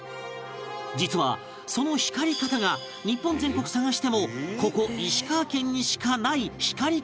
実はその光り方が日本全国探してもここ石川県にしかない光り方だという